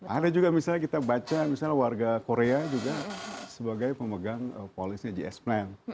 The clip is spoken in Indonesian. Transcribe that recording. ada juga misalnya kita baca misalnya warga korea juga sebagai pemegang polisnya gs plan